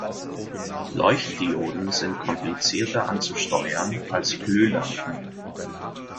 Leuchtdioden sind komplizierter anzusteuern als Glühlampen.